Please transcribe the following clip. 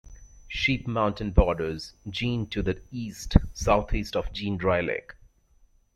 Sheep Mountain borders Jean to the east, southeast of Jean Dry Lake.